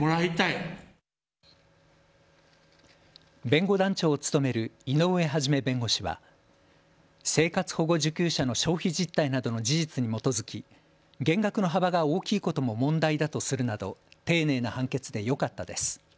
弁護団長を務める井上啓弁護士は生活保護受給者の消費実態などの事実に基づき減額の幅が大きいことも問題だとするなど丁寧な判決でよかったです。